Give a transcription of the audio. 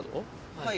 はい。